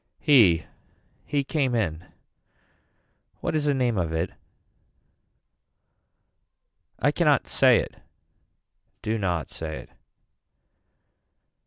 He. He came in. What is the name of it. I cannot say it. Do not say it.